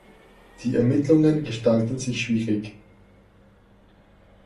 Die Ermittlungen gestalten sich schwierig.